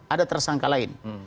ada tersangka lain